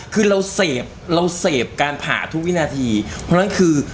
คือเราเสพเราเสพการผ่าทุกวินาทีเพราะฉะนั้นคือ